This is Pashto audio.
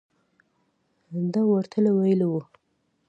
ده ورته ویلي وو.